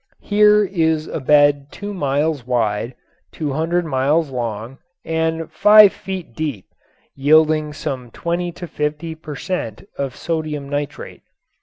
Here is a bed two miles wide, two hundred miles long and five feet deep yielding some twenty to fifty per cent. of sodium nitrate.